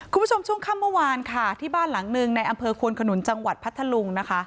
คุณผู้ชมช่วงขับเมื่อวานที่บ้านหลังนึงในอำเคลขวนขนนุนจังหวัดพัฒนฤง